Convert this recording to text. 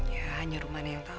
ya hanya rumana yang tau